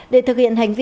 để thực hiện hành vi